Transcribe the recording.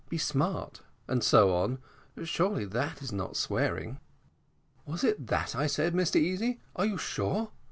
be smart,' and so on; surely, that is not swearing." "Was it that I said, Mr Easy, are you sure?